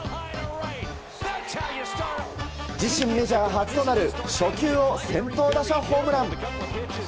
自身メジャー初となる初球を先頭打者ホームラン。